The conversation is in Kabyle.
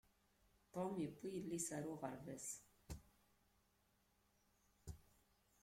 Tom yewwi yelli-s ɣer uɣerbaz.